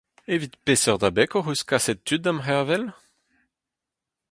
Evit peseurt abeg hoc'h eus kaset tud d’am gervel ?